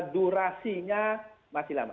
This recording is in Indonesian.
durasinya masih lama